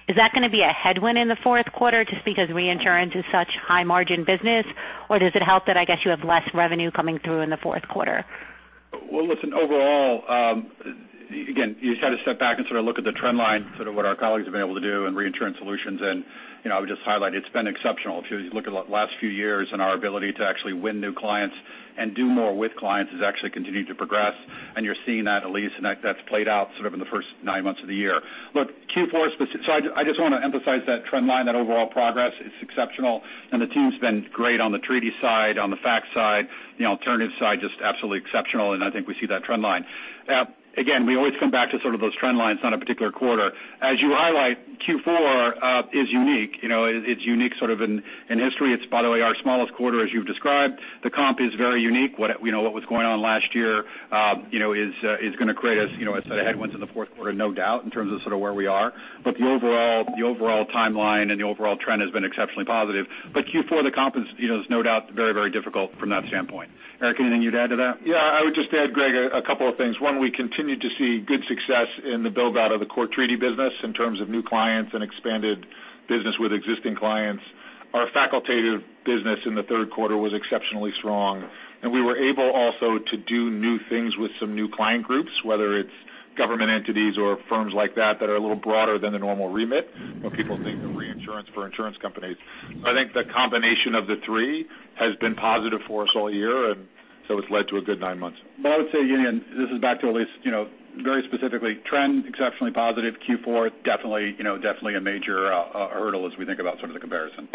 Is that going to be a headwind in the fourth quarter just because reinsurance is such high-margin business? Or does it help that I guess you have less revenue coming through in the fourth quarter? Well, listen, overall again, you just had to step back and sort of look at the trend line, sort of what our colleagues have been able to do in Reinsurance Solutions. I would just highlight it's been exceptional. If you look at the last few years, our ability to actually win new clients and do more with clients has actually continued to progress, you're seeing that, Elyse, that's played out sort of in the first nine months of the year. Look, Q4 specific-- I just want to emphasize that trend line, that overall progress is exceptional and the team's been great on the treaty side, on the fac side, alternative side, just absolutely exceptional, I think we see that trend line. Again, we always come back to sort of those trend lines on a particular quarter. As you highlight, Q4 is unique. It's unique sort of in history. It's by the way, our smallest quarter as you've described. The comp is very unique. What was going on last year is going to create a set of headwinds in the fourth quarter, no doubt, in terms of sort of where we are. The overall timeline and the overall trend has been exceptionally positive. Q4, the comp is no doubt very difficult from that standpoint. Eric Andersen, anything you'd add to that? Yeah, I would just add, Greg, a couple of things. One, we continue to see good success in the build-out of the core treaty business in terms of new clients and expanded business with existing clients. Our facultative business in the third quarter was exceptionally strong, we were able also to do new things with some new client groups, whether it's government entities or firms like that that are a little broader than the normal remit when people think of reinsurance for insurance companies. I think the combination of the three has been positive for us all year, it's led to a good nine months. I would say, again, this is back to Elyse, very specifically trend exceptionally positive, Q4 definitely a major hurdle as we think about sort of the comparison.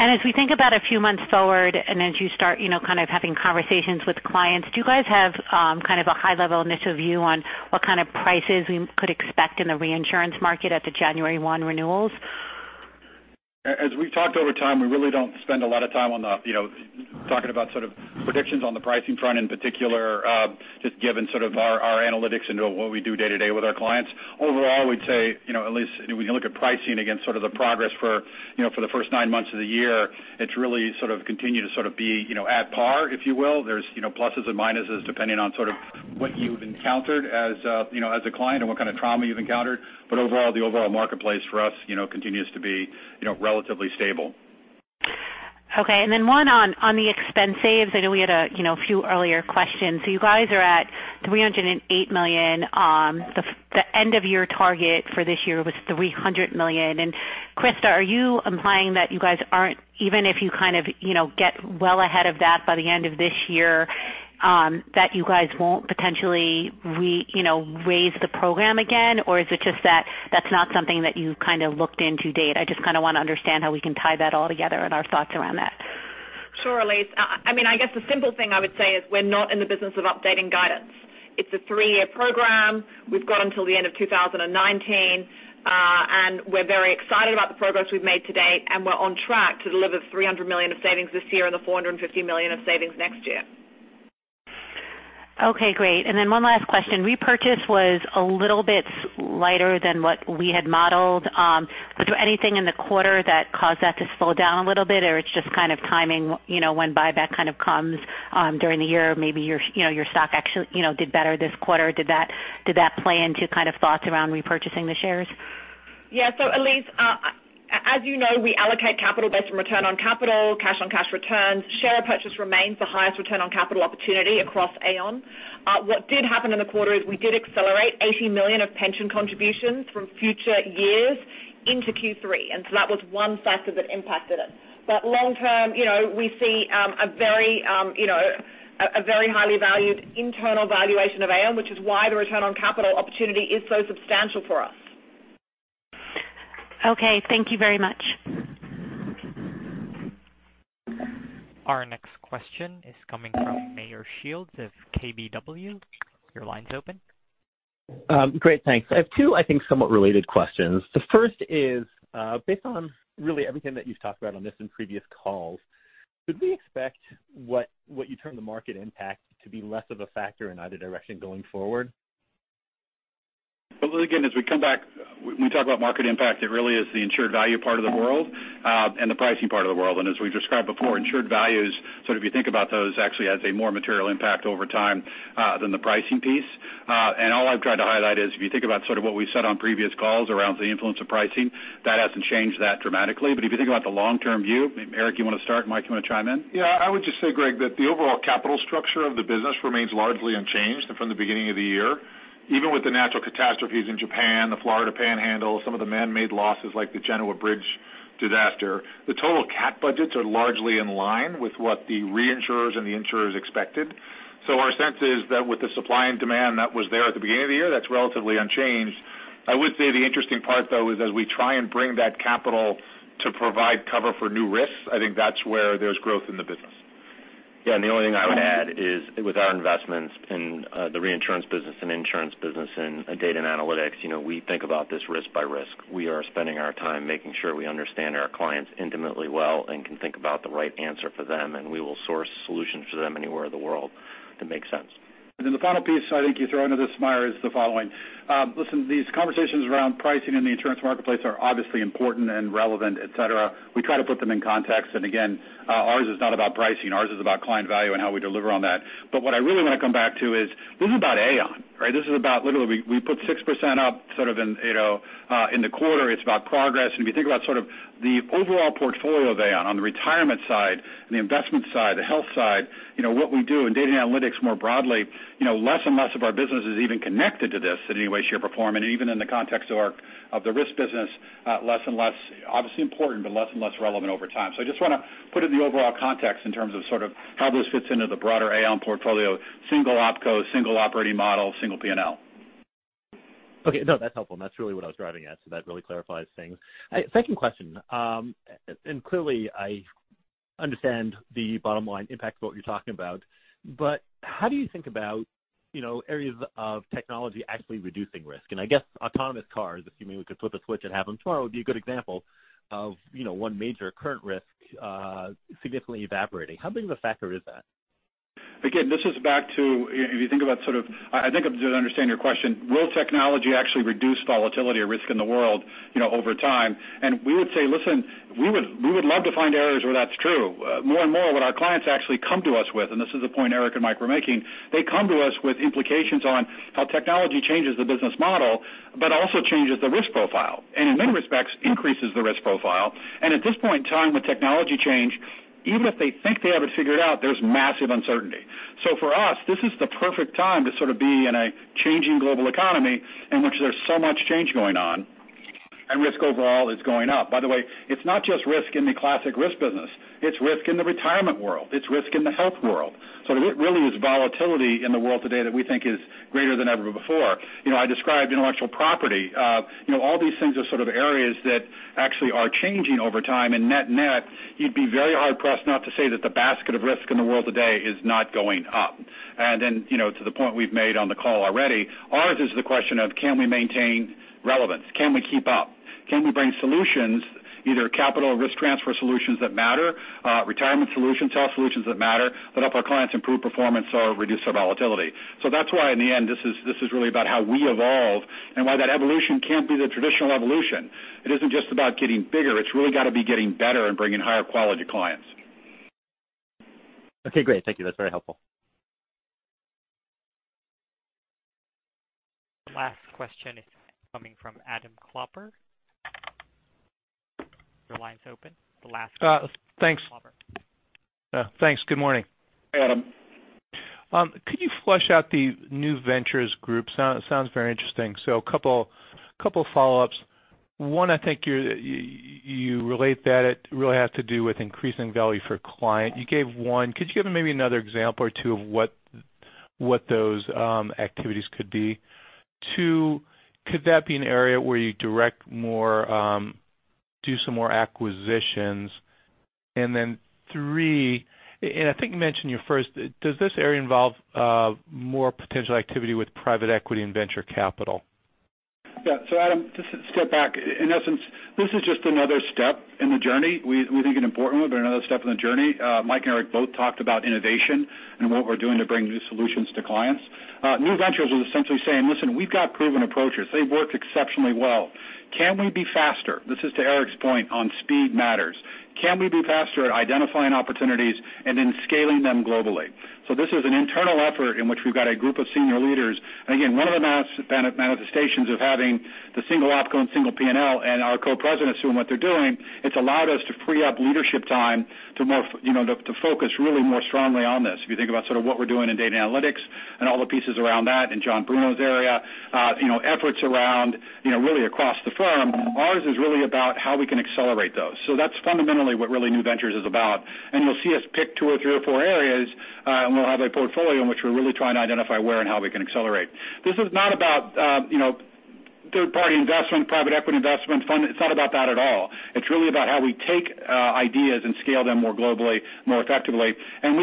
As we think about a few months forward and as you start kind of having conversations with clients, do you guys have kind of a high level initial view on what kind of prices we could expect in the reinsurance market at the January 1 renewals? As we've talked over time, we really don't spend a lot of time on the talking about sort of predictions on the pricing front in particular, just given sort of our analytics into what we do day to day with our clients. Overall, we'd say, Elyse, when you look at pricing against sort of the progress for the first nine months of the year, it's really sort of continued to sort of be at par, if you will. There's pluses and minuses depending on sort of what you've encountered as a client and what kind of trauma you've encountered. Overall, the overall marketplace for us continues to be relatively stable. One on the expense saves. I know we had a few earlier questions. You guys are at $308 million. The end of year target for this year was $300 million. Christa, are you implying that you guys aren't, even if you kind of get well ahead of that by the end of this year, that you guys won't potentially raise the program again? Or is it just that that's not something that you've kind of looked to date? I just kind of want to understand how we can tie that all together and our thoughts around that. Sure, Elyse. I guess the simple thing I would say is we're not in the business of updating guidance. It's a three-year program. We've got until the end of 2019. We're very excited about the progress we've made to date, and we're on track to deliver $300 million of savings this year and the $450 million of savings next year. Okay, great. One last question. Repurchase was a little bit lighter than what we had modeled. Was there anything in the quarter that caused that to slow down a little bit? It's just kind of timing when buyback kind of comes during the year? Maybe your stock actually did better this quarter. Did that play into kind of thoughts around repurchasing the shares? Yeah. Elyse, as you know, we allocate capital based on return on capital, cash on cash returns. Share purchase remains the highest return on capital opportunity across Aon. What did happen in the quarter is we did accelerate $80 million of pension contributions from future years into Q3, that was one factor that impacted us. Long term, we see a very highly valued internal valuation of Aon, which is why the return on capital opportunity is so substantial for us. Okay. Thank you very much. Our next question is coming from Meyer Shields of KBW. Your line's open. Great. Thanks. I have two, I think, somewhat related questions. The first is, based on really everything that you've talked about on this in previous calls, could we expect what you term the market impact to be less of a factor in either direction going forward? Well, again, as we come back, we talk about market impact, it really is the insured value part of the world, and the pricing part of the world. As we described before, insured values, if you think about those, actually has a more material impact over time than the pricing piece. All I've tried to highlight is if you think about what we said on previous calls around the influence of pricing, that hasn't changed that dramatically. If you think about the long-term view, Eric, you want to start, Mike, you want to chime in? I would just say, Greg, that the overall capital structure of the business remains largely unchanged from the beginning of the year. Even with the natural catastrophes in Japan, the Florida Panhandle, some of the man-made losses like the Genoa Bridge disaster, the total cap budgets are largely in line with what the reinsurers and the insurers expected. Our sense is that with the supply and demand that was there at the beginning of the year, that's relatively unchanged. I would say the interesting part though is as we try and bring that capital to provide cover for new risks, I think that's where there's growth in the business. The only thing I would add is with our investments in the reinsurance business and insurance business and data and analytics, we think about this risk by risk. We are spending our time making sure we understand our clients intimately well and can think about the right answer for them, and we will source solutions for them anywhere in the world that make sense. The final piece I think you throw into this, Meyer, is the following. These conversations around pricing in the insurance marketplace are obviously important and relevant, et cetera. We try to put them in context, and again, ours is not about pricing. Ours is about client value and how we deliver on that. What I really want to come back to is this is about Aon, right? This is about literally, we put 6% up in the quarter. It's about progress. If you think about the overall portfolio of Aon on the Retirement side and the investment side, the Health side, what we do in data and analytics more broadly, less and less of our business is even connected to this in any way, shape, or form. Even in the context of the risk business, less and less, obviously important, but less and less relevant over time. I just want to put it in the overall context in terms of how this fits into the broader Aon portfolio, single OpCo, single operating model, single P&L. Okay, no, that's helpful. That's really what I was driving at. That really clarifies things. Second question. Clearly I understand the bottom line impact of what you're talking about, but how do you think about areas of technology actually reducing risk? I guess autonomous cars, if you could flip a switch and have them tomorrow, would be a good example of one major current risk significantly evaporating. How big of a factor is that? Again, this is back to I think I understand your question. Will technology actually reduce volatility or risk in the world over time? We would say, we would love to find areas where that's true. More and more what our clients actually come to us with, and this is the point Eric and Mike were making, they come to us with implications on how technology changes the business model, but also changes the risk profile. In many respects, increases the risk profile. At this point in time with technology change, even if they think they have it figured out, there's massive uncertainty. For us, this is the perfect time to be in a changing global economy in which there's so much change going on and risk overall is going up. By the way, it's not just risk in the classic risk business. It's risk in the retirement world. It's risk in the health world. There really is volatility in the world today that we think is greater than ever before. I described intellectual property. All these things are areas that actually are changing over time, and net-net, you'd be very hard-pressed not to say that the basket of risk in the world today is not going up. To the point we've made on the call already, ours is the question of can we maintain relevance? Can we keep up? Can we bring solutions, either capital risk transfer solutions that matter, retirement solutions, health solutions that matter, that help our clients improve performance or reduce their volatility? That's why in the end, this is really about how we evolve and why that evolution can't be the traditional evolution. It isn't just about getting bigger. It's really got to be getting better and bringing higher quality clients. Okay, great. Thank you. That's very helpful. Last question is coming from Adam Klopper. Your line's open. Thanks. Klopper. Thanks. Good morning. Hey, Adam. Could you flesh out the New Ventures Group? Sounds very interesting. A couple follow-ups. One, I think you relate that it really has to do with increasing value for client. You gave one. Could you give maybe another example or two of what those activities could be? Two, could that be an area where you direct more, do some more acquisitions? Three, I think you mentioned your first, does this area involve more potential activity with private equity and venture capital? Yeah. Adam, just to step back. In essence, this is just another step in the journey. We think an important one, but another step in the journey. Mike and Eric both talked about innovation and what we're doing to bring new solutions to clients. New Ventures is essentially saying, listen, we've got proven approaches. They've worked exceptionally well. Can we be faster? This is to Eric's point on speed matters. Can we be faster at identifying opportunities and then scaling them globally? This is an internal effort in which we've got a group of senior leaders. Again, one of the manifestations of having the single OpCo and single P&L and our co-presidents doing what they're doing, it's allowed us to free up leadership time to focus really more strongly on this. If you think about sort of what we're doing in data analytics and all the pieces around that in John Bruno's area, efforts around really across the firm, ours is really about how we can accelerate those. That's fundamentally what really New Ventures is about. You'll see us pick two or three or four areas, and we'll have a portfolio in which we're really trying to identify where and how we can accelerate. This is not about third-party investment, private equity investment fund. It's not about that at all. It's really about how we take ideas and scale them more globally, more effectively. I'm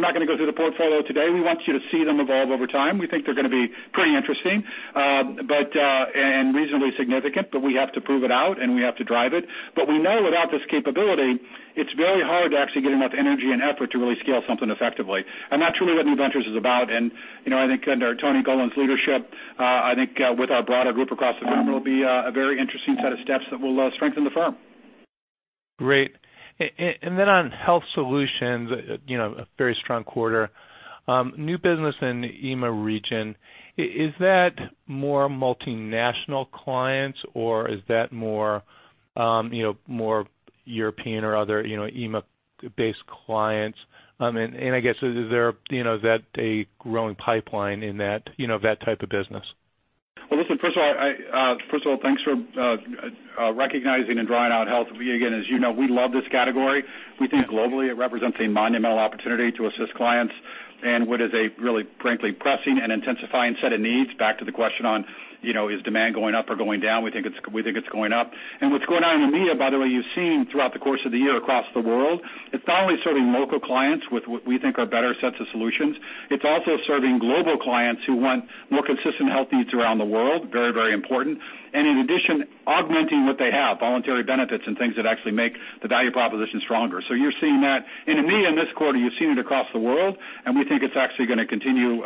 not going to go through the portfolio today. We want you to see them evolve over time. We think they're going to be pretty interesting, and reasonably significant, but we have to prove it out, and we have to drive it. We know without this capability, it's very hard to actually get enough energy and effort to really scale something effectively. That's really what New Ventures is about. I think under Tony Goland's leadership, I think with our broader group across the firm, it'll be a very interesting set of steps that will strengthen the firm. Great. Then on Health Solutions, a very strong quarter. New business in EMEA region, is that more multinational clients or is that more European or other EMEA-based clients? I guess, is that a growing pipeline in that type of business? Well, listen, first of all, thanks for recognizing and drawing out health. Again, as you know, we love this category. We think globally it represents a monumental opportunity to assist clients. What is a really, frankly, pressing and intensifying set of needs, back to the question on is demand going up or going down? We think it's going up. What's going on in EMEA, by the way, you've seen throughout the course of the year across the world, it's not only serving local clients with what we think are better sets of solutions, it's also serving global clients who want more consistent health needs around the world. Very, very important. In addition, augmenting what they have, voluntary benefits and things that actually make the value proposition stronger. You're seeing that in EMEA in this quarter, you've seen it across the world, and we think it's actually going to continue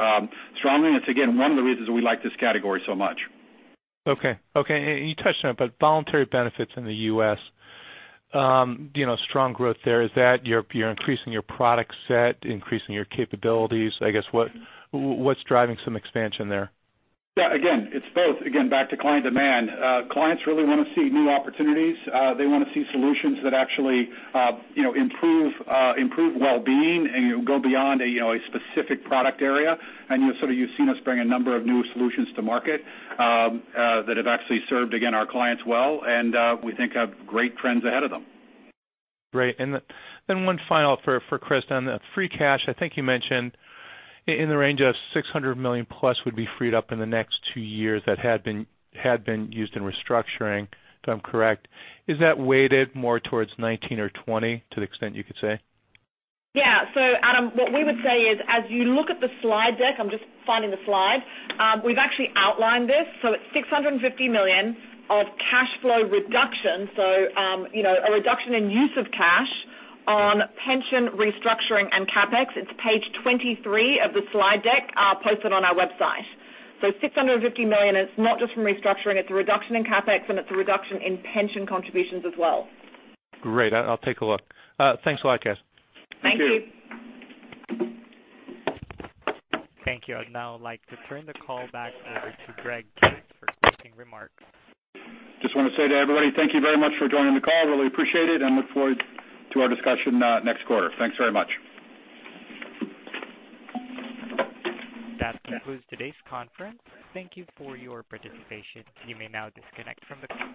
strongly, and it's again, one of the reasons we like this category so much. Okay. You touched on it, but voluntary benefits in the U.S., strong growth there, is that you're increasing your product set, increasing your capabilities? I guess, what's driving some expansion there? Again, it's both. Again, back to client demand. Clients really want to see new opportunities. They want to see solutions that actually improve well-being and go beyond a specific product area. You've seen us bring a number of new solutions to market that have actually served, again, our clients well, and we think have great trends ahead of them. Great. One final for Christa on the free cash. I think you mentioned in the range of $600 million plus would be freed up in the next two years that had been used in restructuring, if I'm correct. Is that weighted more towards 2019 or 2020 to the extent you could say? Yeah. Adam, what we would say is, as you look at the slide deck, I'm just finding the slide. We've actually outlined this. It's $650 million of cash flow reduction. A reduction in use of cash on pension restructuring and CapEx. It's page 23 of the slide deck posted on our website. $650 million, it's not just from restructuring, it's a reduction in CapEx, and it's a reduction in pension contributions as well. Great. I'll take a look. Thanks a lot, guys. Thank you. Thank you. Thank you. I'd now like to turn the call back over to Greg Case for closing remarks. Just want to say to everybody, thank you very much for joining the call. Really appreciate it and look forward to our discussion next quarter. Thanks very much. That concludes today's conference. Thank you for your participation. You may now disconnect from the call.